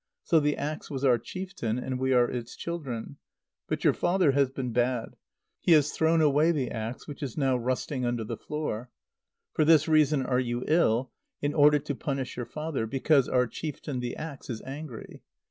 So the axe was our chieftain, and we are its children. But your father has been bad. He has thrown away the axe, which is now rusting under the floor. For this are you ill, in order to punish your father, because our chieftain the axe is angry.